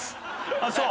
ああそう。